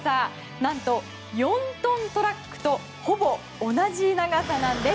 なんと、４トントラックとほぼ同じ長さなんです。